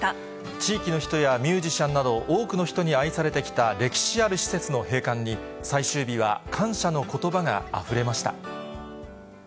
地域の人やミュージシャンなど、多くの人に愛されてきた歴史ある施設の閉館に、最終日は感謝のことばがあふれました。